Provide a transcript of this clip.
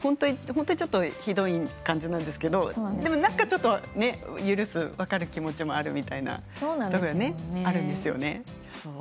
本当にちょっとひどい感じなんですけどでもなんかちょっと許す、分かる気もあるみたいなところがあるんですよね。